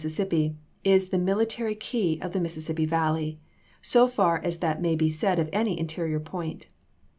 sissippi, is the military key of the Mississippi Val ley, so far as that may be said of any interior point.